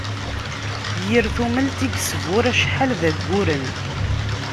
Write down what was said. Yir tumelt i yesbur acḥal d ayyuren.